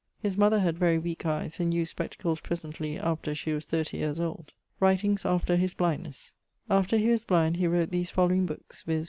His mother had very weake eies, and used spectacles presently after she was thirty yeares old. <_Writings after his blindness._> After he was blind he wrote these following bookes, viz.